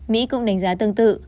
mỹ cũng đánh giá tương tự